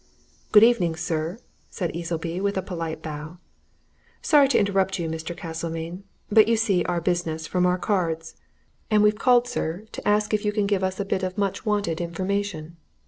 "Good evening, sir," said Easleby, with a polite bow. "Sorry to interrupt you, Mr. Castlemayne, but you see our business from our cards, and we've called, sir, to ask if you can give us a bit of much wanted information.